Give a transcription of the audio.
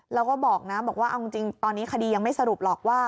แล้วก็บอกนะบอกว่าเอาจริงตอนนี้คดียังไม่สรุปหรอกว่า